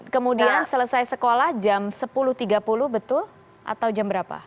kemudian selesai sekolah jam sepuluh tiga puluh betul atau jam berapa